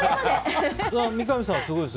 三上さんはすごいです。